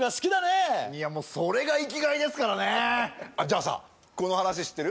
えいやもうそれが生きがいですからねあっじゃあさこの話知ってる？